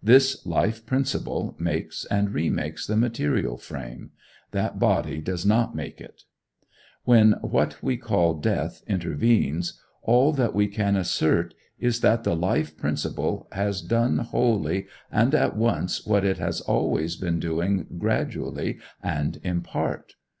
This life principle makes and remakes the material frame; that body does not make it. When what we call death intervenes, all that we can assert is that the life principle has done wholly and at once what it has always been doing gradually and in part.